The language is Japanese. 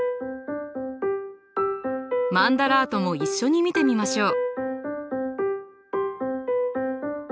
マンダラートも一緒に見てみましょう。